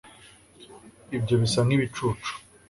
ibyo bisa nkibicucu